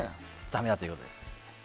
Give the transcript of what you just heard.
ダメだということです。